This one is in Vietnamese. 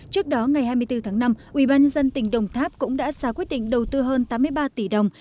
trước đó ngày hai mươi bốn tháng năm ubnd tỉnh đồng tháp cũng đã xả quyết định đầu tư hơn tám mươi ba tỷ đồng